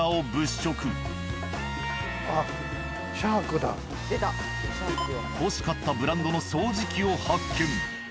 あっ欲しかったブランドの掃除機を発見。